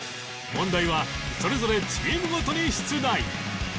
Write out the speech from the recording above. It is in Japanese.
問題はそれぞれチームごとに出題